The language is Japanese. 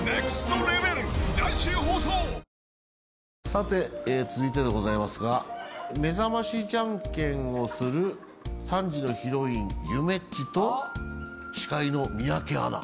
さて続いてでございますがめざましじゃんけんをする３時のヒロインゆめっちと司会の三宅アナ。